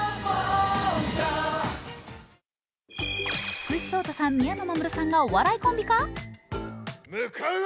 福士蒼汰さん、宮野真守さんがお笑いコンビ化？